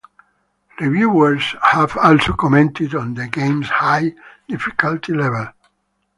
Reviewers have also commented on the game's high difficulty level.